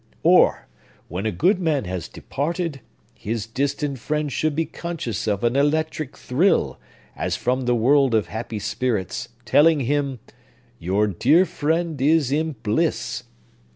Or, when a good man has departed, his distant friend should be conscious of an electric thrill, as from the world of happy spirits, telling him 'Your dear friend is in bliss!